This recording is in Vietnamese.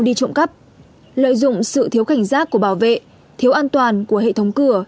đi trộm cắp lợi dụng sự thiếu cảnh giác của bảo vệ thiếu an toàn của hệ thống cửa